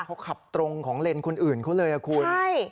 เขาขับตรงของเลนส์คนอื่นเขาเลยอ่ะคุณใช่